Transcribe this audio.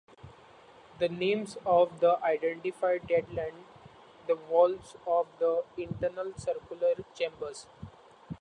The names of the identified dead line the walls of the internal circular chambers.